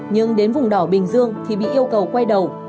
nhưng đến vùng đỏ bình dương thì bị yêu cầu quay đầu